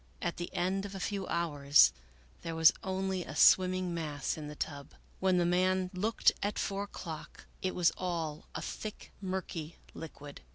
At the end of a few hours there was only a swimming mass in the tub. When the man looked at four o'clock, it was all a thick murky liquid.